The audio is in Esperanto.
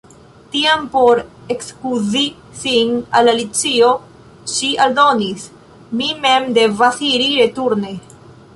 Tiam por ekskuzi sin al Alicio ŝi aldonis: "Mi mem devas iri returne. »